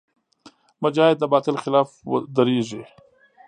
مجاهد د باطل خلاف ودریږي.